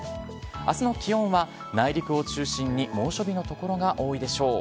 あすの気温は、内陸を中心に猛暑日の所が多いでしょう。